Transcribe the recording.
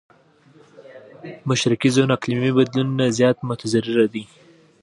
مشرقي زون اقليمي بدلون نه زيات متضرره دی.